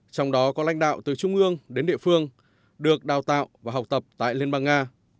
trong đó có lãnh đạo từ trung ương đến địa phương được đào tạo và học tập tại liên bang nga